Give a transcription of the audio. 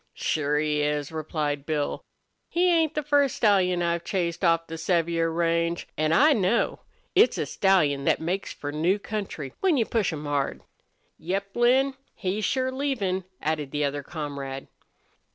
"Sure he is," replied Bill. "He ain't the first stallion I've chased off the Sevier range. An' I know. It's a stallion thet makes for new country, when you push him hard." "Yep, Lin, he's sure leavin'," added the other comrade.